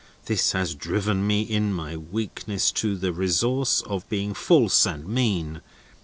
This has driven me, in my weakness, to the resource of being false and mean.